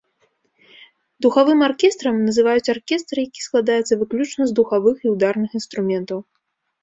Духавым аркестрам называюць аркестр, які складаецца выключна з духавых і ўдарных інструментаў.